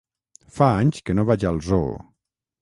Fa anys que no vaig al zoo.